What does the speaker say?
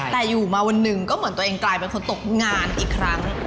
แต่อยู่มาวันหนึ่งก็เหมือนตัวเองกลายเป็นคนตกงานอีกครั้ง